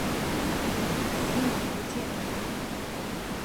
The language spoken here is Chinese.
以应图谶。